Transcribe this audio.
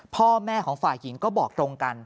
พ่อแม่ของฝ่ายหญิงก็บอกตรงกัน